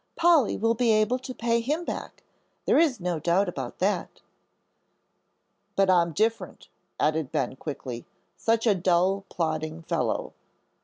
"Polly will be able to pay him back, there is no doubt about that." "But I'm different," added Ben, quickly, "such a dull, plodding fellow.